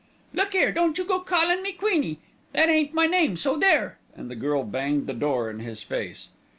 "Look 'ere, don't you go callin' me 'Queenie'; that ain't my name, so there," and the girl banged the door in his face.